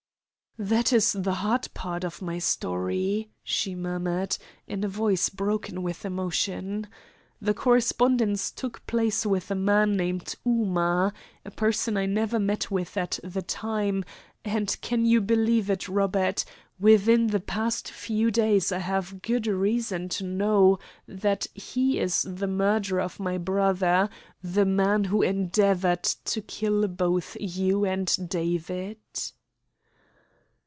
"That is the hard part of my story," she murmured, in a voice broken with emotion. "The correspondence took place with a man named Ooma, a person I never even met at that time, and can you believe it, Robert within the past few days I have good reason to know that he is the murderer of my brother, the man who endeavoured to kill both you and David."